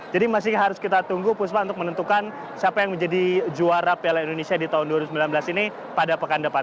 jadi masih harus kita tunggu untuk menentukan siapa yang menjadi juara piala indonesia di tahun dua ribu sembilan belas ini pada pekan depan